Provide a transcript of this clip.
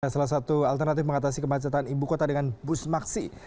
salah satu alternatif mengatasi kemacetan ibu kota dengan bus maksi